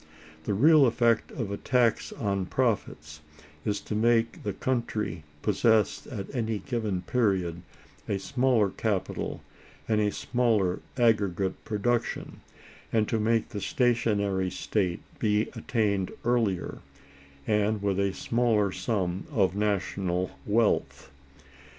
The real effect of a tax on profits is to make the country possess at any given period a smaller capital and a smaller aggregate production, and to make the stationary state be attained earlier, and with a smaller sum of national wealth.